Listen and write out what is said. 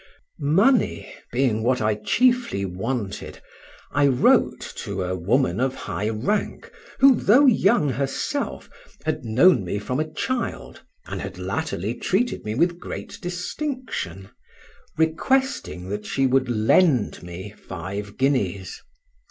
Money being what I chiefly wanted, I wrote to a woman of high rank, who, though young herself, had known me from a child, and had latterly treated me with great distinction, requesting that she would "lend" me five guineas.